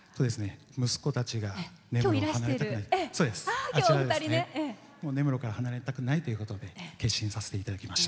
息子たちが根室から離れたくないということで決心させていただきました。